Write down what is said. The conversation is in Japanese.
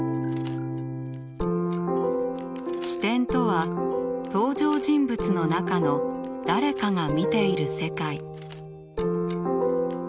視点とは登場人物の中の誰かが見ている世界。